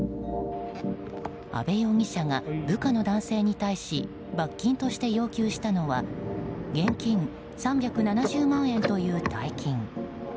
阿部容疑者が部下の男性に対し罰金として要求したのは現金３７０万円という大金。